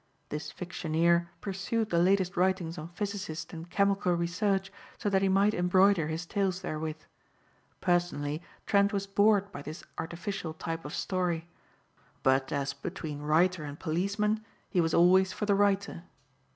This fictioneer pursued the latest writings on physicist and chemical research so that he might embroider his tales therewith. Personally Trent was bored by this artificial type of story; but as between writer and policeman he was always for the writer.